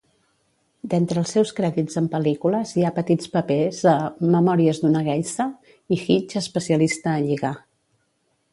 D'entre els seus crèdits en pel·lícules hi ha petits papers a "Memòries d'una geisha" i "Hitch, especialista a lligar".